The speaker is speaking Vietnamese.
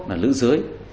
là lữ dưới